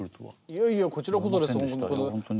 いやいやこちらこそです本当。